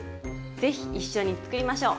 是非一緒に作りましょう！